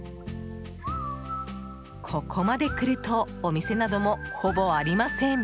ここまで来るとお店などもほぼありません。